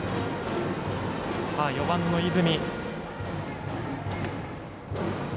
４番の和泉。